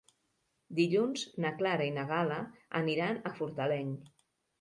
Dilluns na Clara i na Gal·la aniran a Fortaleny.